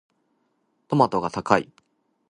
トマトが高い。